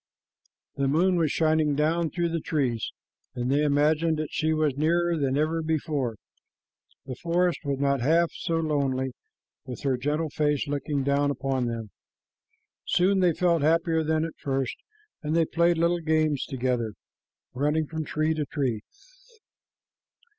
The moon was shining down through the trees, and they imagined that she was nearer than ever before. The forest was not half so lonely with her gentle face looking down upon them. Soon they felt happier than at first, and they played little games together, running from tree to tree.